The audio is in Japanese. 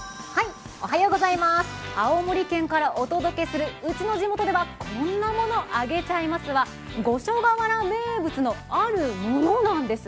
青森県からお届けする「うちの地元ではこんなもの揚げちゃいます」は五所川原名物のあるものなんです。